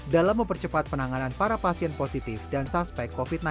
dalam mempercepat penanganan para pasien positif dan suspek covid sembilan belas